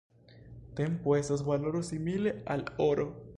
Tempo estas valoro simile al oro.